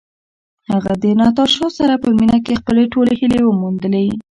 هغه د ناتاشا سره په مینه کې خپلې ټولې هیلې وموندلې.